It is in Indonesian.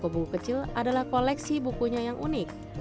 buku kecil adalah koleksi bukunya yang unik